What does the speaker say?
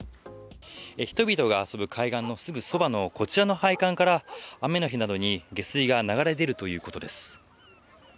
人々が遊ぶ海岸のすぐそばのこちらの配管から雨の日などに下水が流れ出るということです。